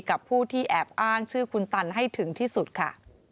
กับผู้ที่แอบอ้างชื่อคุณตันให้ถึงที่สุดค่ะ